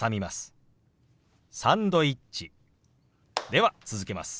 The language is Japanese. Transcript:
では続けます。